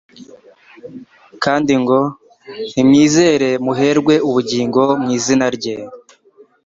Kandi ngo nimwizera muherwe ubugingo mu izina rye'.